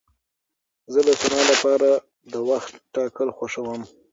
زه د سونا لپاره د وخت ټاکل خوښوم.